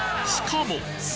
しかも！